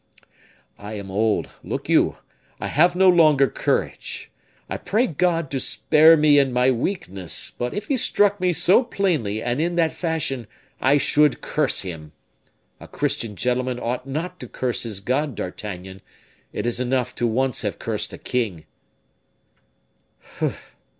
I am old, look you, I have no longer courage; I pray God to spare me in my weakness; but if he struck me so plainly and in that fashion, I should curse him. A Christian gentleman ought not to curse his God, D'Artagnan; it is enough to once have cursed a king!"